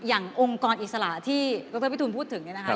อย่างองค์กรอิสระที่คุณพิทูณพูดถึงเนี่ยนะครับ